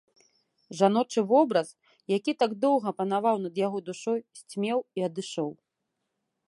Жаночы вобраз, які так доўга панаваў над яго душой, сцьмеў і адышоў.